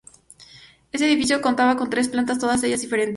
Este edificio contaba con tres plantas todas ellas diferentes.